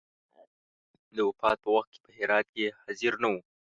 د وفات په وخت کې په هرات کې حاضر نه وو.